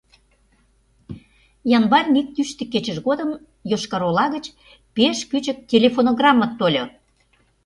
Январьын ик йӱштӧ кечыж годым Йошкар-Ола гыч пеш кӱчык телефонограмма тольо: